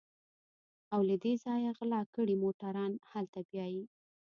او له دې ځايه غلا کړي موټران هلته بيايي.